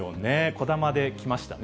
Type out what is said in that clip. こだまできましたね。